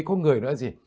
có người nói là gì